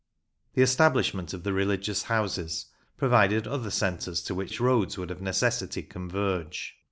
The establishment of the religious houses provided other centres, to which roads would of necessity converge.